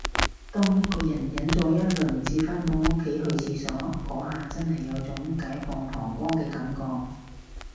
當一個人忍咗一輪至返到屋企去廁所，嗰下真係有種解放膀胱嘅感覺